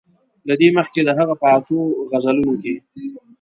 له دې مخکې د هغه په اتو غزلونو کې.